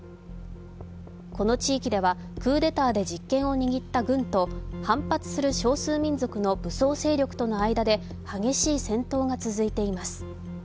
この地域ではクーデターで実権を握った軍と反発する少数民族と武装勢力との間で激しい戦闘が続いています。